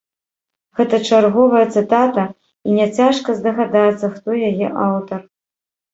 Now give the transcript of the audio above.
Гэта чарговая цытата, і няцяжка здагадацца, хто яе аўтар.